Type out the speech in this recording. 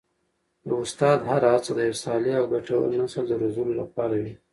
د استاد هره هڅه د یو صالح او ګټور نسل د روزلو لپاره وي.